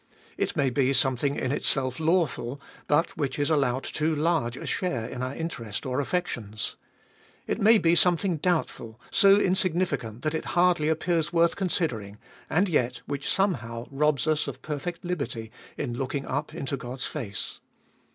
It may be something in itself lawful, but which is allowed too large a share in our interest or affections. It may be something doubtful, so insignificant that it hardly appears worth considering, and yet which somehow robs us of perfect liberty in looking up into God's face.